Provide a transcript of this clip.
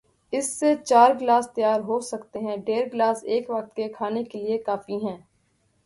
اس سے چار گلاس تیار ہوسکتے ہیں، ڈیڑھ گلاس ایک وقت کے کھانے کے لئے کافی ہیں۔